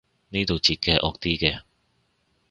呢度截嘅係惡啲嘅